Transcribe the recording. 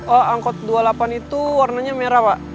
oh angkot dua puluh delapan itu warnanya merah pak